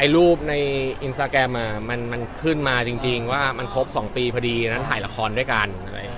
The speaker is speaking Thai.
แล้วทานครบส่องปีพอดีตายละครด้วยกัน